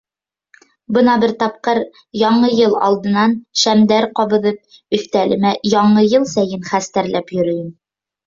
Бына бер тапҡыр, Яңы йыл алдынан, шәмдәр ҡабыҙып, өҫтәлемә Яңы йыл сәйен хәстәрләп йөрөйөм.